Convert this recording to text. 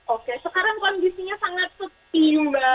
oke sekarang kondisinya sangat setingga